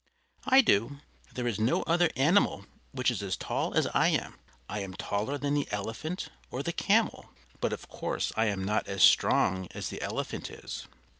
I do. There is no other animal which is as tall as I am; I am taller than the Elephant or the Camel, but of course I am not as strong as the Elephant is.